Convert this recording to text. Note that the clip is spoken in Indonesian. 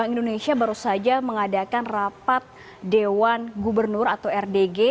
indonesia baru saja mengadakan rapat dewan gubernur atau rdg